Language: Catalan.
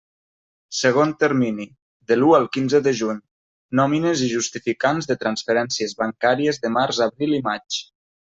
Segon termini: de l'u al quinze de juny: nòmines i justificants de transferències bancàries de març, abril i maig.